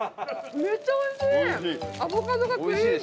めっちゃおいしい！